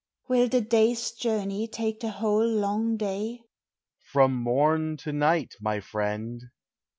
Will the day's journey take the whole long day? From morn to night, my friend.